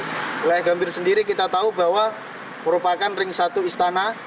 di wilayah gambir sendiri kita tahu bahwa merupakan ring satu istana